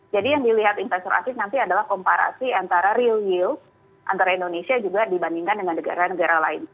jadi yang dilihat investor asing nanti adalah komparasi antara real yield antara indonesia juga dibandingkan dengan negara negara lain